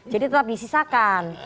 jadi tetap disisakan